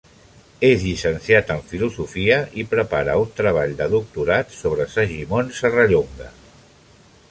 És llicenciat en filosofia i prepara un treball de doctorat sobre Segimon Serrallonga.